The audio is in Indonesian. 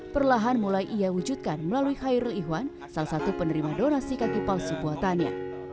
perlahan mulai ia wujudkan melalui khairul ihwan salah satu penerima donasi kaki palsu buatannya